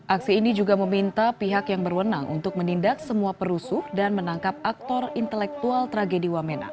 aksi ini juga meminta pihak yang berwenang untuk menindak semua perusuh dan menangkap aktor intelektual tragedi wamena